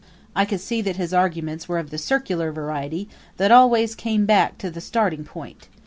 I could see that his arguments were of the circular variety that always came back to the starting point.